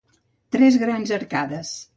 Tres grans arcades.